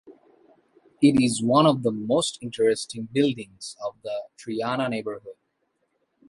It is one of the most interesting buildings of the Triana neighborhood.